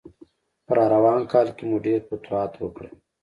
په راروان کال کې مو ډېر فتوحات وکړل.